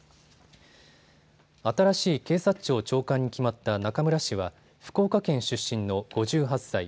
新しい警察庁長官に決まった中村氏は福岡県出身の５８歳。